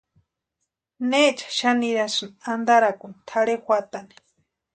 ¿Necha xani nirhasïni antarakuni tʼarhe juatani?